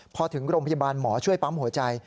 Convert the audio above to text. พอถึงโรงพยาบาลหมอช่วยปั๊มหัวใจ